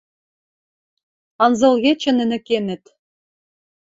Анзылгечӹ нӹнӹ кенӹт